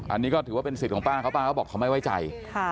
อันนี้ก็ถือว่าเป็นสิทธิ์ของป้าเขาป้าเขาบอกเขาไม่ไว้ใจ